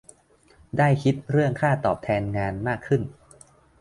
ได้คิดเรื่องค่าตอบแทนงานมากขึ้น